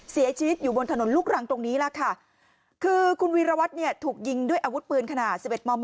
เสียชีวิตอยู่บนถนนลูกรังตรงนี้แหละค่ะคือคุณวีรวัตรเนี่ยถูกยิงด้วยอาวุธปืนขนาดสิบเอ็มม